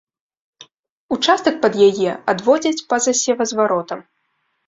Участак пад яе адводзяць па-за севазваротам.